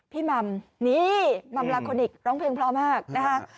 หม่ำนี่มัมลาโคนิคร้องเพลงพร้อมมากนะคะ